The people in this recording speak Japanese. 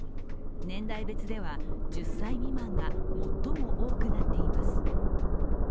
年代別では１０歳未満が最も多くなっています。